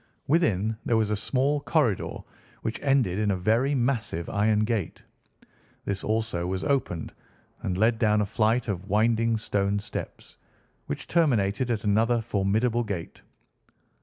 Within there was a small corridor, which ended in a very massive iron gate. This also was opened, and led down a flight of winding stone steps, which terminated at another formidable gate.